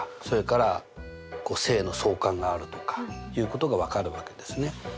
それから正の相関があるとかいうことが分かるわけですね。